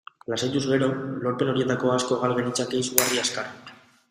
Lasaituz gero, lorpen horietako asko gal genitzake izugarri azkar.